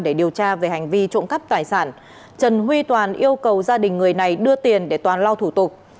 để điều tra về hành vi trộm cắp tài sản trần huy toàn yêu cầu gia đình người này đưa tiền để toàn lao thủ tục